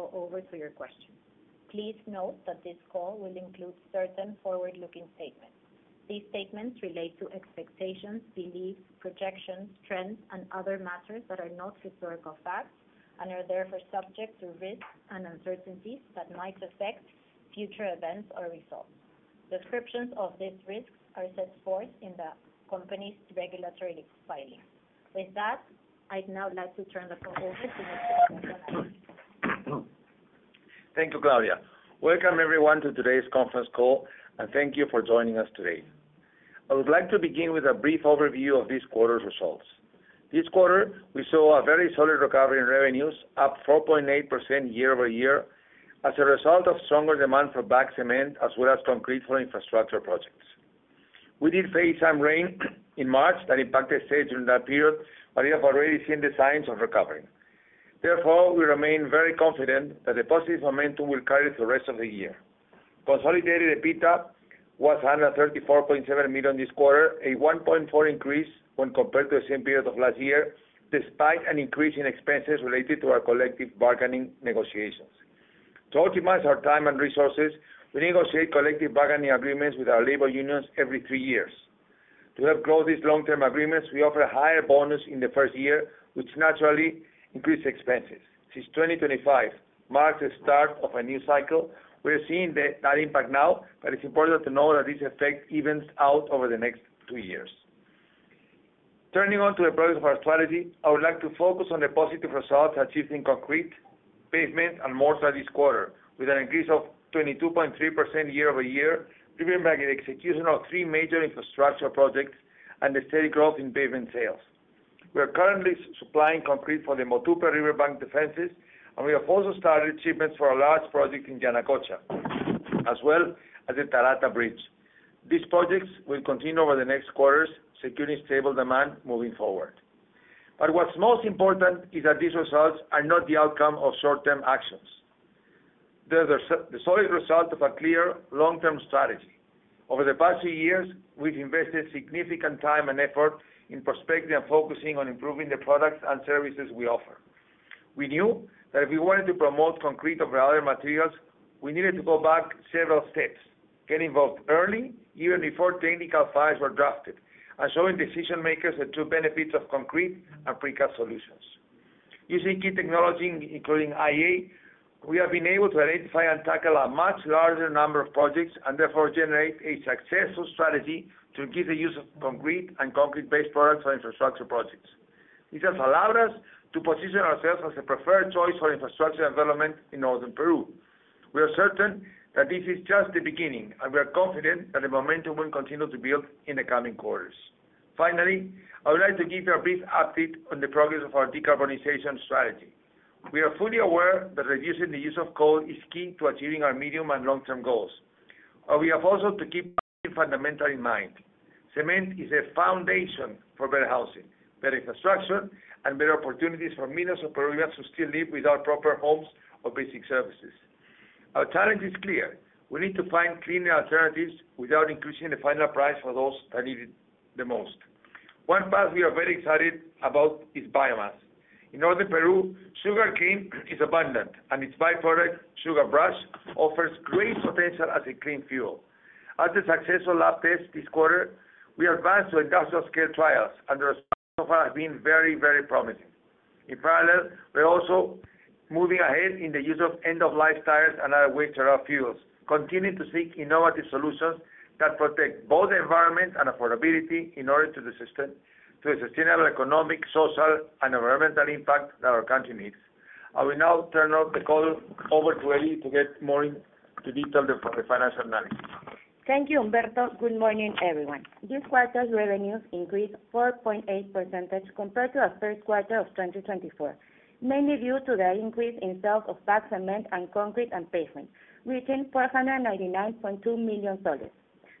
I'll call over to your question. Please note that this call will include certain forward-looking statements. These statements relate to expectations, beliefs, projections, trends, and other matters that are not historical facts and are therefore subject to risks and uncertainties that might affect future events or results. Descriptions of these risks are set forth in the company's regulatory filing. With that, I'd now like to turn the call over to you. Thank you, Claudia. Welcome, everyone, to today's conference call, and thank you for joining us today. I would like to begin with a brief overview of this quarter's results. This quarter, we saw a very solid recovery in revenues, up 4.8% year over year, as a result of stronger demand for bagged cement as well as concrete for infrastructure projects. We did face some rain in March that impacted stages in that period, but we have already seen the signs of recovering. Therefore, we remain very confident that the positive momentum will carry through the rest of the year. Consolidated EBITDA was PEN 134.7 million this quarter, a 1.4% increase when compared to the same period of last year, despite an increase in expenses related to our collective bargaining negotiations. To optimize our time and resources, we negotiate collective bargaining agreements with our labor unions every three years. To help grow these long-term agreements, we offer a higher bonus in the first year, which naturally increases expenses. Since 2025 marks the start of a new cycle, we're seeing that impact now, but it's important to note that this effect evens out over the next two years. Turning on to the product of our strategy, I would like to focus on the positive results achieved in concrete, pavement, and mortar this quarter, with an increase of 22.3% year over year, driven by the execution of three major infrastructure projects and the steady growth in pavement sales. We are currently supplying concrete for the Motupe riverbank defenses, and we have also started shipments for a large project in Yanacocha, as well as the Tarata Bridge. These projects will continue over the next quarters, securing stable demand moving forward. What is most important is that these results are not the outcome of short-term actions. They are the solid result of a clear long-term strategy. Over the past few years, we have invested significant time and effort in prospecting and focusing on improving the products and services we offer. We knew that if we wanted to promote concrete over other materials, we needed to go back several steps, getting involved early, even before technical files were drafted, and showing decision-makers the true benefits of concrete and precast solutions. Using key technology, including AI, we have been able to identify and tackle a much larger number of projects and therefore generate a successful strategy to give the use of concrete and concrete-based products for infrastructure projects. This has allowed us to position ourselves as a preferred choice for infrastructure development in Northern Peru. We are certain that this is just the beginning, and we are confident that the momentum will continue to build in the coming quarters. Finally, I would like to give you a brief update on the progress of our decarbonization strategy. We are fully aware that reducing the use of coal is key to achieving our medium and long-term goals. We have also to keep fundamental in mind. Cement is a foundation for better housing, better infrastructure, and better opportunities for millions of Peruvians who still live without proper homes or basic services. Our challenge is clear. We need to find cleaner alternatives without increasing the final price for those that need it the most. One part we are very excited about is biomass. In Northern Peru, sugar cane is abundant, and its byproduct, sugar trash, offers great potential as a clean fuel. After successful lab tests this quarter, we advanced to industrial-scale trials, and the results so far have been very, very promising. In parallel, we're also moving ahead in the use of end-of-life tires and other waste-to-fuels, continuing to seek innovative solutions that protect both the environment and affordability in order to assist to a sustainable economic, social, and environmental impact that our country needs. I will now turn the call over to Ely to get more into detail the financial analysis. Thank you, Humberto. Good morning, everyone. This quarter's revenues increased 4.8% compared to the third quarter of 2024, mainly due to the increase in sales of bagged cement and concrete and pavement, reaching PEN 499.2 million.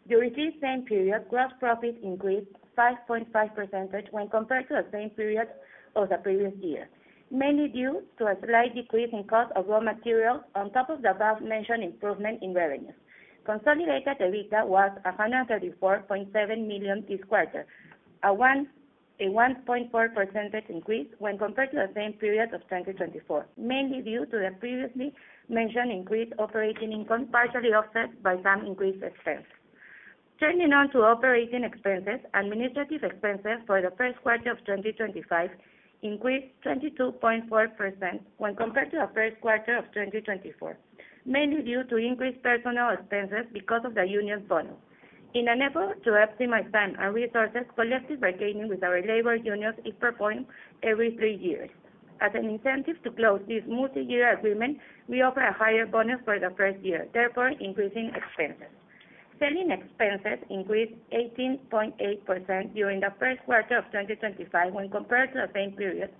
During this same period, gross profit increased 5.5% when compared to the same period of the previous year, mainly due to a slight decrease in cost of raw material on top of the above-mentioned improvement in revenue. Consolidated EBITDA was $134.7 million this quarter, a 1.4% increase when compared to the same period of 2024, mainly due to the previously mentioned increase in operating income, partially offset by some increased expense. Turning on to operating expenses, administrative expenses for the first quarter of 2025 increased 22.4% when compared to the first quarter of 2024, mainly due to increased personnel expenses because of the union bonus. In an effort to optimize time and resources, collective bargaining agreements with our labor unions are performed every three years. As an incentive to close this multi-year agreement, we offer a higher bonus for the first year, therefore increasing expenses. Selling expenses increased 18.8% during the first quarter of 2025 when compared to the same period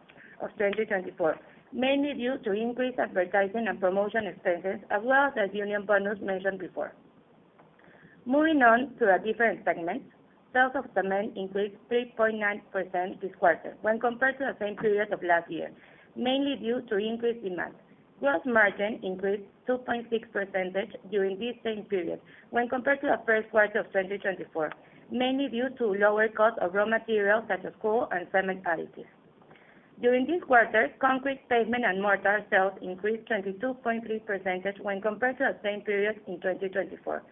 of 2024, mainly due to increased advertising and promotion expenses, as well as the union bonus mentioned before. Moving on to a different segment, sales of cement increased 3.9% this quarter when compared to the same period of last year, mainly due to increased demand. Gross margin increased 2.6% during this same period when compared to the first quarter of 2024, mainly due to lower cost of raw materials such as coal and cement additives. During this quarter, concrete, pavement, and mortar sales increased 22.3% when compared to the same period in 2024,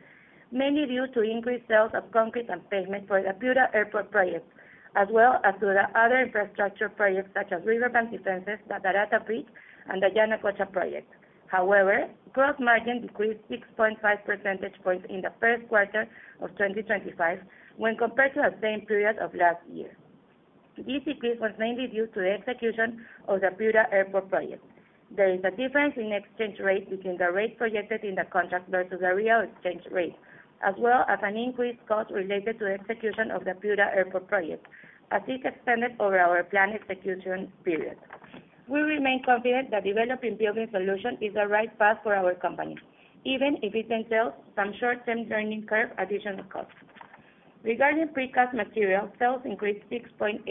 mainly due to increased sales of concrete and pavement for the Piura Airport project, as well as to the other infrastructure projects such as Riverbank Defenses, the Tarata Bridge, and the Yanacocha project. However, gross margin decreased 6.5 percentage points in the first quarter of 2025 when compared to the same period of last year. This decrease was mainly due to the execution of the Piura Airport project. There is a difference in exchange rate between the rate projected in the contract versus the real exchange rate, as well as an increased cost related to the execution of the Piura Airport project, as this extended over our planned execution period. We remain confident that developing building solutions is the right path for our company, even if it entails some short-term learning curve additional costs. Regarding precast materials, sales increased 6.8%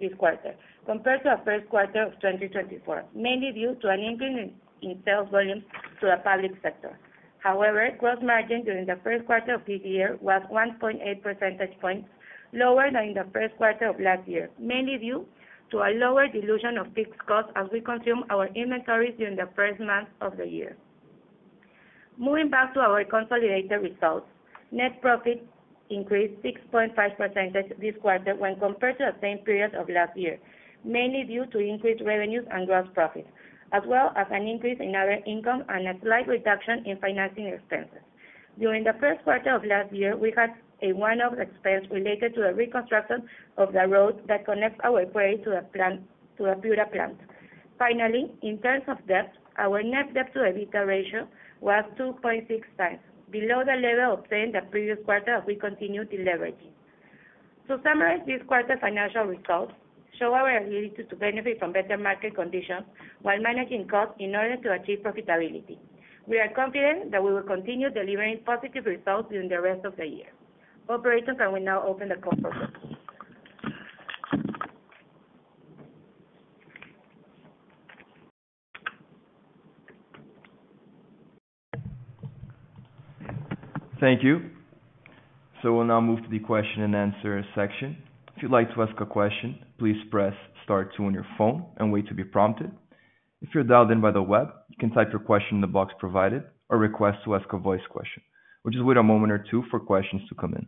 this quarter compared to the first quarter of 2024, mainly due to an increase in sales volumes to the public sector. However, gross margin during the first quarter of this year was 1.8 percentage points lower than in the first quarter of last year, mainly due to a lower dilution of fixed costs as we consume our inventories during the first month of the year. Moving back to our consolidated results, net profit increased 6.5% this quarter when compared to the same period of last year, mainly due to increased revenues and gross profits, as well as an increase in other income and a slight reduction in financing expenses. During the first quarter of last year, we had a one-off expense related to the reconstruction of the road that connects our quarry to the Piura plant. Finally, in terms of debt, our net debt-to-EBITDA ratio was 2.6 times, below the level obtained the previous quarter as we continued deleveraging. To summarize, this quarter's financial results show our ability to benefit from better market conditions while managing costs in order to achieve profitability. We are confident that we will continue delivering positive results during the rest of the year. Operator can now open the call for proposals. Thank you. We will now move to the question and answer section. If you'd like to ask a question, please press star two on your phone and wait to be prompted. If you're dialed in by the web, you can type your question in the box provided or request to ask a voice question. We'll just wait a moment or two for questions to come in.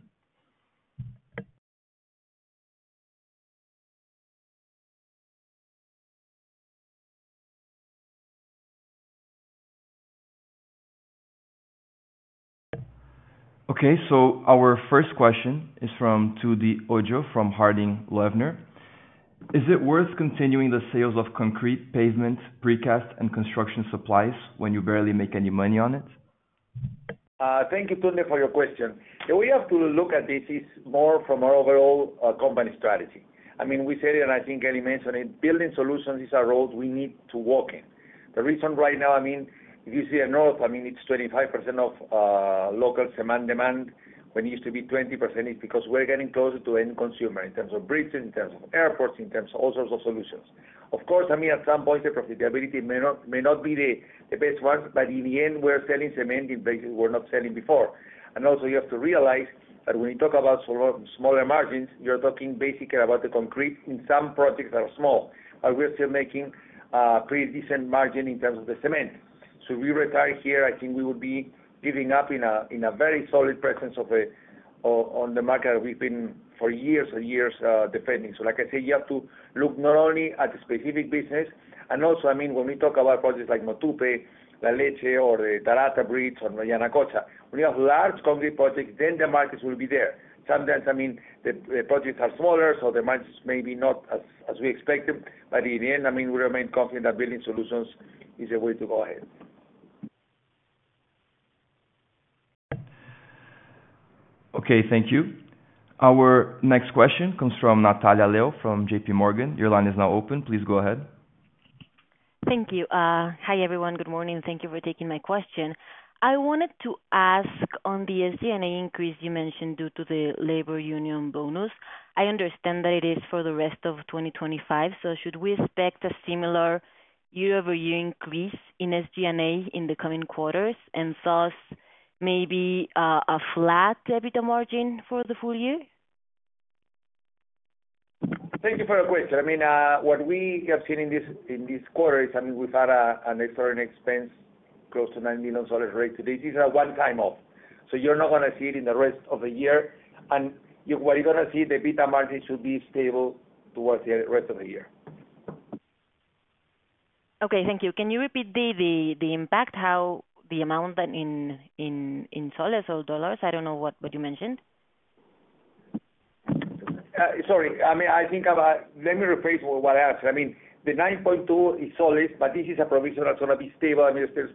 Okay, our first question is from Tunde Ojo from Harding Loevner. Is it worth continuing the sales of concrete, pavement, precast, and construction supplies when you barely make any money on it? Thank you, Tunde, for your question. We have to look at this more from our overall company strategy. I mean, we said it, and I think Ely mentioned it, building solutions is a road we need to walk in. The reason right now, I mean, if you see a north, I mean, it's 25% of local cement demand. When it used to be 20%, it's because we're getting closer to the end consumer in terms of bridges, in terms of airports, in terms of all sorts of solutions. Of course, I mean, at some point, the profitability may not be the best one, but in the end, we're selling cement in places we're not selling before. You have to realize that when you talk about smaller margins, you're talking basically about the concrete in some projects that are small, but we're still making a pretty decent margin in terms of the cement. If we retire here, I think we would be giving up a very solid presence on the market that we've been for years and years defending. Like I said, you have to look not only at the specific business, and also, I mean, when we talk about projects like Motupe, La Leche, or the Tarata Bridge and Yanacocha, when you have large concrete projects, then the markets will be there. Sometimes, I mean, the projects are smaller, so the markets may be not as we expect them, but in the end, I mean, we remain confident that building solutions is the way to go ahead. Okay, thank you. Our next question comes from Natalia Leo from JPMorgan. Your line is now open. Please go ahead. Thank you. Hi, everyone. Good morning. Thank you for taking my question. I wanted to ask on the SG&A increase you mentioned due to the labor union bonus. I understand that it is for the rest of 2025, so should we expect a similar year-over-year increase in SG&A in the coming quarters and thus maybe a flat EBITDA margin for the full year? Thank you for the question. I mean, what we have seen in this quarter is, I mean, we've had an extraordinary expense, close to $9 million right today. This is a one-time off. You are not going to see it in the rest of the year. What you are going to see, the EBITDA margin should be stable towards the rest of the year. Okay, thank you. Can you repeat the impact, how the amount in soles or dollars? I do not know what you mentioned. Sorry. I mean, I think about, let me rephrase what I asked. I mean, the 9.2 is solid, but this is a provision that's going to be stable. I mean, still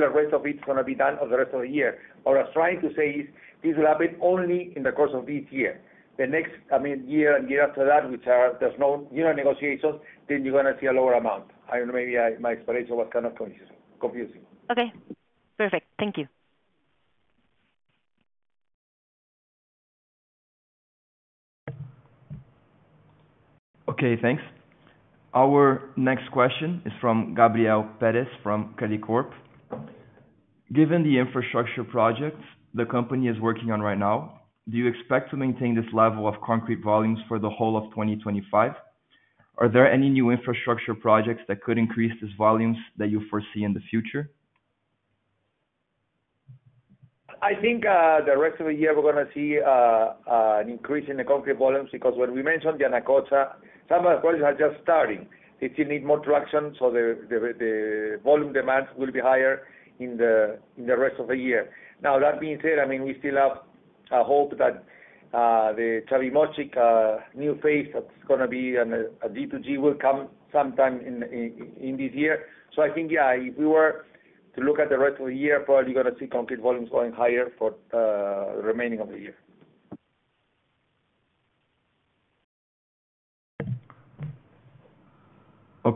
the rest of it's going to be done over the rest of the year. What I was trying to say is this will happen only in the course of this year. The next, I mean, year and year after that, which there's no year-end negotiations, then you're going to see a lower amount. I don't know, maybe my explanation was kind of confusing. Okay. Perfect. Thank you. Okay, thanks. Our next question is from Gabriel Perez from Credicorp. Given the infrastructure projects the company is working on right now, do you expect to maintain this level of concrete volumes for the whole of 2025? Are there any new infrastructure projects that could increase these volumes that you foresee in the future? I think the rest of the year, we're going to see an increase in the concrete volumes because what we mentioned, Yanacocha, some of the projects are just starting. They still need more traction, so the volume demands will be higher in the rest of the year. That being said, I mean, we still have hope that the Chavimochic new phase that's going to be a G2G will come sometime in this year. I think, yeah, if we were to look at the rest of the year, probably you're going to see concrete volumes going higher for the remaining of the year.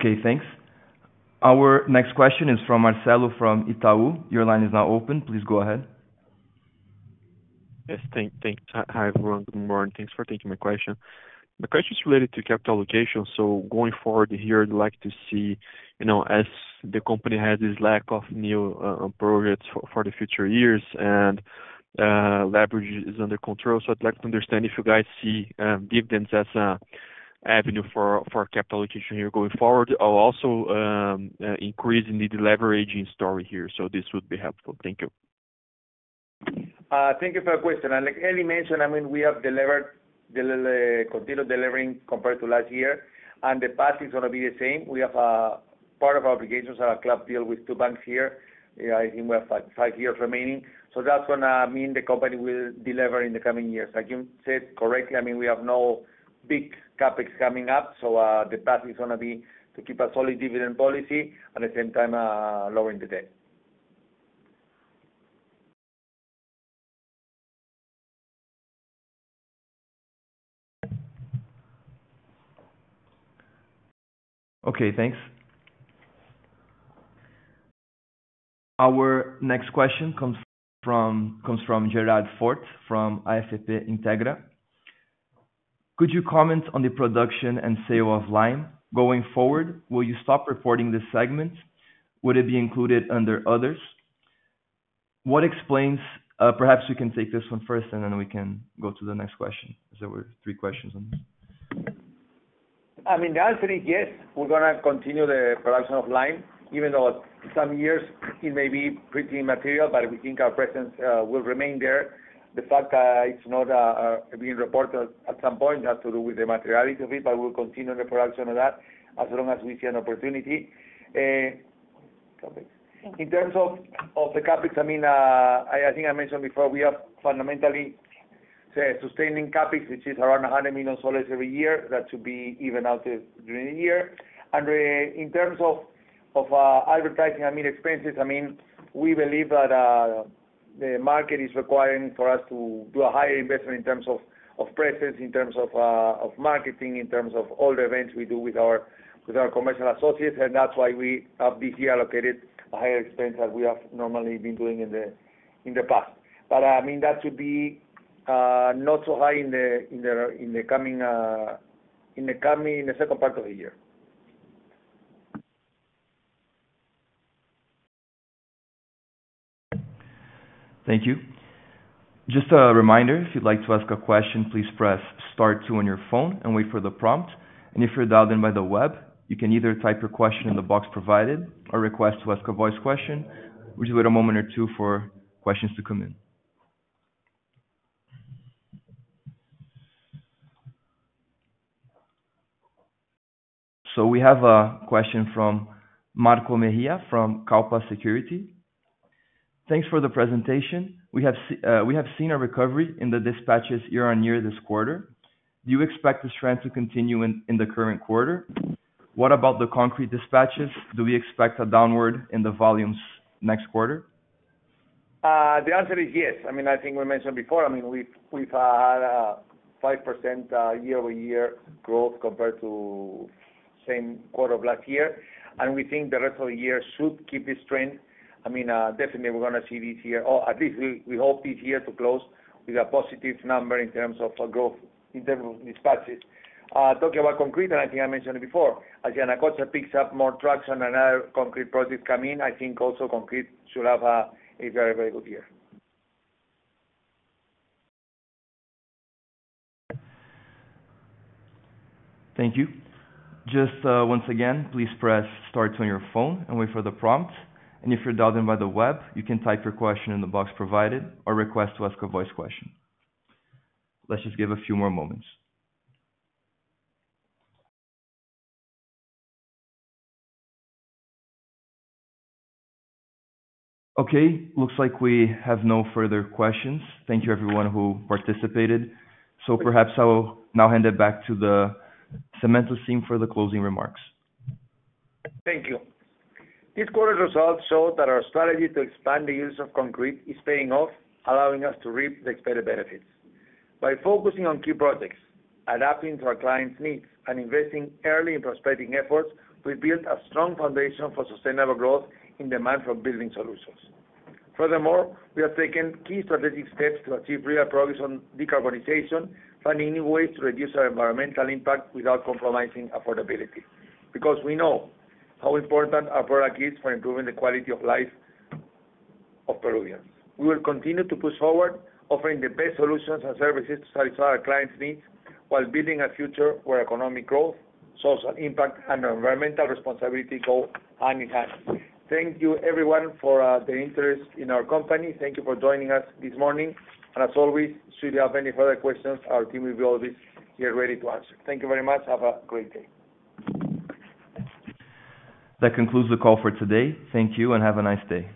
Okay, thanks. Our next question is from Marcelo from Itaú. Your line is now open. Please go ahead. Yes, thanks. Hi, everyone. Good morning. Thanks for taking my question. The question is related to capital allocation. Going forward here, I'd like to see, you know, as the company has this lack of new projects for the future years and leverage is under control. I'd like to understand if you guys see dividends as an avenue for capital allocation here going forward or also increasing the leveraging story here. This would be helpful. Thank you. Thank you for the question. Like Ely mentioned, I mean, we have delivered, continue delivering compared to last year. The path is going to be the same. Part of our obligations are a club deal with two banks here. I think we have five years remaining. That is going to mean the company will deliver in the coming years. Like you said correctly, I mean, we have no big CapEx coming up. The path is going to be to keep a solid dividend policy and at the same time lowering the debt. Okay, thanks. Our next question comes from Gerald Fort from AFP Integra. Could you comment on the production and sale of lime? Going forward, will you stop reporting this segment? Would it be included under others? What explains? Perhaps we can take this one first and then we can go to the next question. There were three questions on this. I mean, the answer is yes, we're going to continue the production of lime, even though some years it may be pretty immaterial, but we think our presence will remain there. The fact that it's not being reported at some point has to do with the materiality of it, but we'll continue the production of that as long as we see an opportunity. In terms of the CapEx, I mean, I think I mentioned before, we have fundamentally sustaining CapEx, which is around PEN 100 million every year. That should be even out during the year. In terms of advertising and media expenses, I mean, we believe that the market is requiring for us to do a higher investment in terms of presence, in terms of marketing, in terms of all the events we do with our commercial associates. That is why we have this year allocated a higher expense than we have normally been doing in the past. I mean, that should be not so high in the coming in the second part of the year. Thank you. Just a reminder, if you'd like to ask a question, please press star two on your phone and wait for the prompt. If you're dialed in by the web, you can either type your question in the box provided or request to ask a voice question. We'll just wait a moment or two for questions to come in. We have a question from Marco Mejia from Kallpa Securities. Thanks for the presentation. We have seen a recovery in the dispatches year-on-year this quarter. Do you expect this trend to continue in the current quarter? What about the concrete dispatches? Do we expect a downward in the volumes next quarter? The answer is yes. I mean, I think we mentioned before, I mean, we've had a 5% year-over-year growth compared to the same quarter of last year. We think the rest of the year should keep this trend. I mean, definitely we're going to see this year, or at least we hope this year to close with a positive number in terms of growth in terms of dispatches. Talking about concrete, and I think I mentioned it before, as Yanacocha picks up more traction and other concrete projects come in, I think also concrete should have a very, very good year. Thank you. Just once again, please press star two on your phone and wait for the prompt. If you're dialed in by the web, you can type your question in the box provided or request to ask a voice question. Let's just give a few more moments. Okay, looks like we have no further questions. Thank you, everyone who participated. Perhaps I will now hand it back to the Cementos Pacasmayo team for the closing remarks. Thank you. This quarter's results show that our strategy to expand the use of concrete is paying off, allowing us to reap the expected benefits. By focusing on key projects, adapting to our clients' needs, and investing early in prospecting efforts, we've built a strong foundation for sustainable growth in demand for building solutions. Furthermore, we have taken key strategic steps to achieve real progress on decarbonization, finding new ways to reduce our environmental impact without compromising affordability. Because we know how important our product is for improving the quality of life of Peruvians. We will continue to push forward, offering the best solutions and services to satisfy our clients' needs while building a future where economic growth, social impact, and environmental responsibility go uninhibited. Thank you, everyone, for the interest in our company. Thank you for joining us this morning. As always, should you have any further questions, our team will be always here ready to answer. Thank you very much. Have a great day. That concludes the call for today. Thank you and have a nice day.